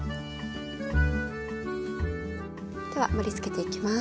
では盛りつけていきます。